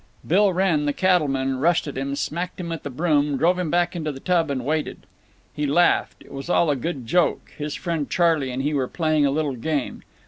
Bill Wrenn, the cattleman, rushed at him, smacked him with the broom, drove him back into the tub, and waited. He laughed. It was all a good joke; his friend Charley and he were playing a little game.